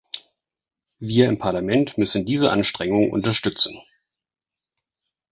Wir im Parlament müssen diese Anstrengungen unterstützen.